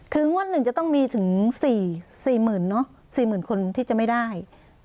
คืองวดหนึ่งจะต้องมีถึง๔๐๐๐เนอะ๔๐๐๐คนที่จะไม่ได้